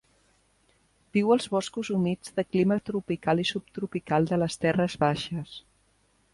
Viu als boscos humits de clima tropical i subtropical de les terres baixes.